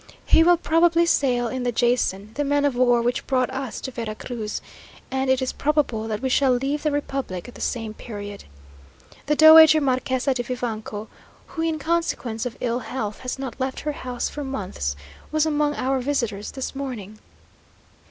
He will probably sail in the Jason, the man of war which brought us to Vera Cruz, and it is probable that we shall leave the republic at the same period. The Dowager Marquesa de Vivanco, who in consequence of ill health has not left her house for months, was among our visitors this morning.